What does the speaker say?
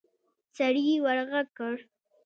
سړي ورغږ کړ.